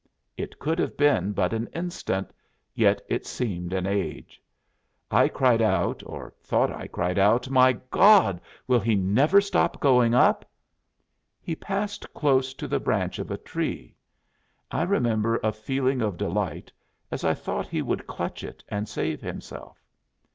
It could have been but an instant, yet it seemed an age. I cried out, or thought I cried out: "My God! will he never stop going up?" He passed close to the branch of a tree. I remember a feeling of delight as I thought he would clutch it and save himself.